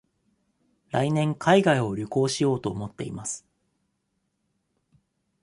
来年海外を旅行しようと思っています。